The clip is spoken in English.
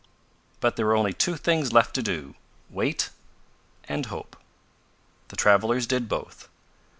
But there were only two things left to do wait and hope. The travelers did both.